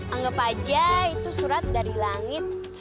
anggap aja itu surat dari langit